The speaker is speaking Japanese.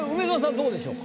どうでしょうか？